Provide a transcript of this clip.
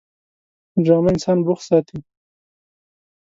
ډرامه انسان بوخت ساتي